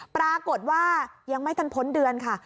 ปรากฏว่ายังไม่ทันพ้นเดือนค่ะ